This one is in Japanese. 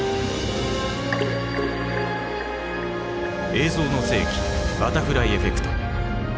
「映像の世紀バタフライエフェクト」。